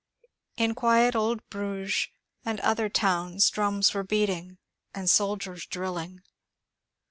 In quiet old Bruges and other towns drums were beating and soldiers drilling.